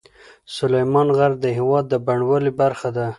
سلیمان غر د هېواد د بڼوالۍ برخه ده.